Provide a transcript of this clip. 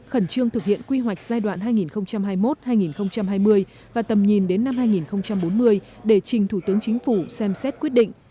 khẩn trương thực hiện quy hoạch giai đoạn hai nghìn hai mươi một hai nghìn hai mươi và tầm nhìn đến năm hai nghìn bốn mươi để trình thủ tướng chính phủ xem xét quyết định